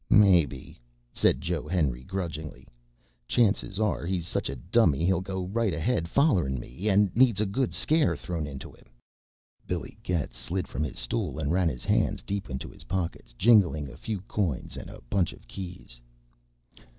"Maybe," said Joe Henry grudgingly. "Chances are he's such a dummy he'll go right ahead follerin' me. He needs a good scare thrown into him." Billy Getz slid from his stool and ran his hands deep into his pockets, jingling a few coins and a bunch of keys.